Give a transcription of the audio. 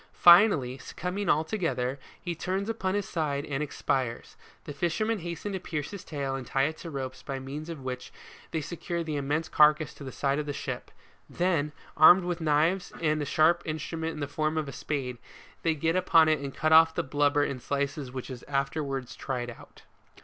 Finally, succumbing altogether, he turns upon his side and ex pires. The fishermen hasten to pierce his tail and tie to it ropes by means of which they secure the immense carcass to the side of their ship ; then, armed with large knives and a sharp instru ment in the form of a spade, they get upon it and cut off the blubber in slices which is afterwards tried out.